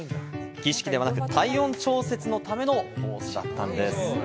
儀式ではなく、体温調節のためのポーズだったんです。